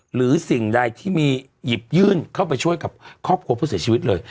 หรือสิ่งใดที่มีหยิบยื่นเข้าไปช่วยกับครอบครัวผู้เสียชีวิตเลย